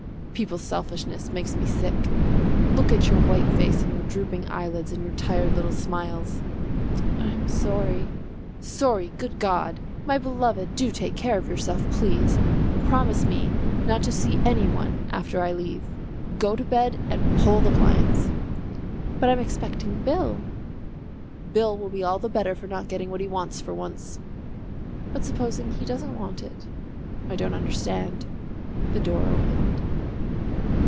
"People's selfishness makes me sick. Look at your white face and your drooping eyelids, and your tired little smiles." "I am sorry." "Sorry! Good God! My beloved, do take care of yourself, please. Promise me not to see any one after I leave; go to bed and pull the blinds." "But I am expecting Bill." "Bill will be all the better for not getting what he wants for once." "But supposing he doesn't want it?" "I don't understand." The door opened.